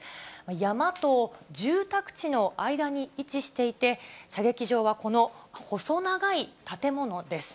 山と住宅地の間に位置していて、射撃場はこの細長い建物です。